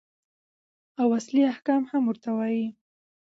او اصلي احکام هم ورته وايي.